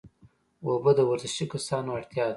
اوبه د ورزشي کسانو اړتیا ده